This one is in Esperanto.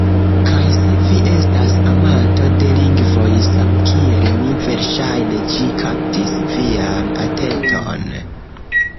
Kaj se vi estas amanto de lingvoj samkiel mi verŝajne ĝi kaptis vian atenton